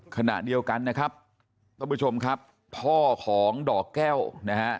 ขณะเดียวกันนะครับท่านผู้ชมครับพ่อของดอกแก้วนะฮะ